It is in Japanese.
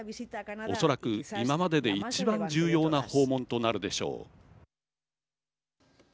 おそらく、今までで一番重要な訪問となるでしょう。